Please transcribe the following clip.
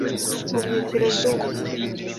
Mu byiciro byose